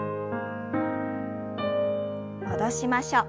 戻しましょう。